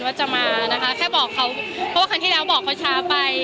ว่าจะมานะคะแค่บอกเขาเพราะว่าครั้งที่แล้วบอกเขาช้าไป